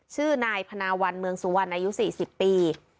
ชื่อนายพนาวันเมืองสุวรรณอายุ๔๐ปี